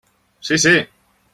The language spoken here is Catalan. Sí, sí!